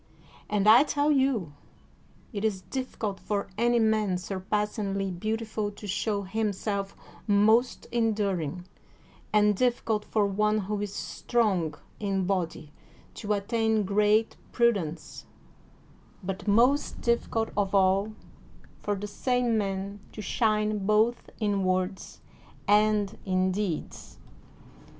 And I tell you it is difficult for any man surpassingly beautiful to show him self most enduring, and difficult for one who is strong in body to attain great prudence, but most difficult of all for the same man to shine both in words and in deeds.